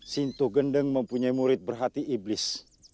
sintu gendeng mempunyai murid berhati iblis